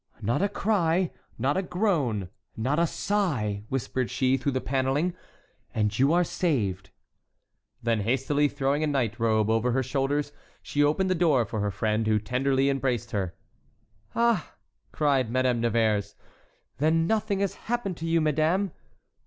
"Not a cry, not a groan, not a sigh," whispered she, through the panelling, "and you are saved." Then hastily throwing a night robe over her shoulders, she opened the door for her friend, who tenderly embraced her. "Ah!" cried Madame Nevers, "then nothing has happened to you, madame!"